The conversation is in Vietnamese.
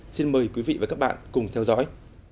xin mời quý vị và các bạn cùng theo dõi